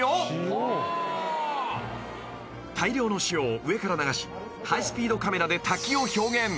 ［大量の塩を上から流しハイスピードカメラで滝を表現］